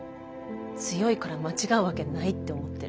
強いから間違うわけないって思ってる。